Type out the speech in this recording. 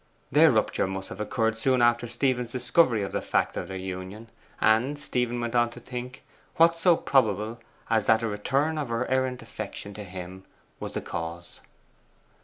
Their rupture must have occurred soon after Stephen's discovery of the fact of their union; and, Stephen went on to think, what so probable as that a return of her errant affection to himself was the cause?